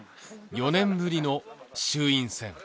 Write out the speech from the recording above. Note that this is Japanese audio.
４年ぶりの衆院選